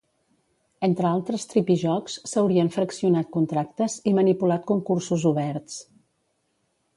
Entre altres tripijocs, s'haurien fraccionat contractes i manipulat concursos oberts.